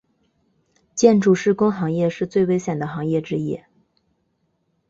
建筑施工行业是最危险的行业之一。